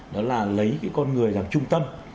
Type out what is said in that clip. đó là lấy cái con người làm trung tâm